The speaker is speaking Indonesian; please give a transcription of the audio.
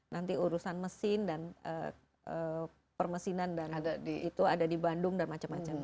nanti urusan mesin dan permesinan itu ada di bandung dan macam macam